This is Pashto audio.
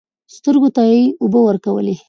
سترګو ته يې اوبه ورکولې .